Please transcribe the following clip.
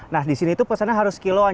nah di sini pesannya harus kilauan